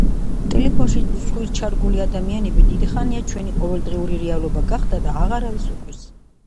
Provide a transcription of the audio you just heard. ტელეფონში ცხვირჩარგული ადამიანები დიდი ხანია ჩვენი ყოველდღიური რეალობა გახდა და აღარავის უკვირს.